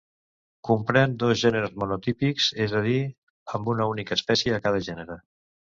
Comprèn dos gèneres monotípics, és a dir, amb una única espècie a cada gènere.